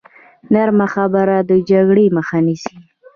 نرمه خبره د جګړې مخه نیسي.